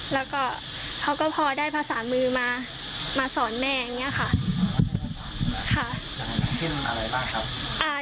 แล้วก็เขาก็พอได้ภาษามือมามาสอนแม่อย่างเงี้ยค่ะค่ะเล่นอะไรบ้างครับ